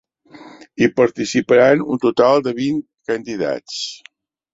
Hi participaran un total de vint candidats.